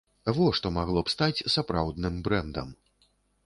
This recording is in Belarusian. Во што магло б стаць сапраўдным брэндам.